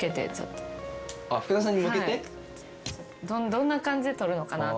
どんな感じで撮るのかな？